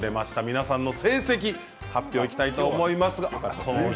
皆さんの成績発表いきたいと思います。